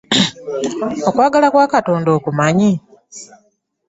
Okwagala kwa Katonda okumanyi?